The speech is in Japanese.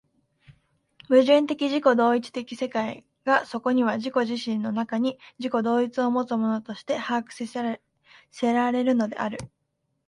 矛盾的自己同一的世界がそこには自己自身の中に自己同一をもつものとして把握せられるのである。